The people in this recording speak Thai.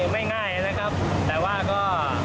ไม่ง่ายนะครับแต่ว่าก็